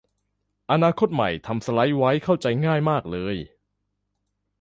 อนาคตใหม่ทำสไลด์ไว้เข้าใจง่ายมากเลย